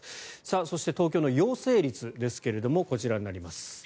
そして、東京の陽性率ですがこちらになります。